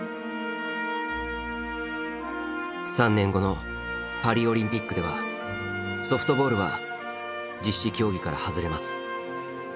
３年後のパリオリンピックではソフトボールは実施競技から外れます。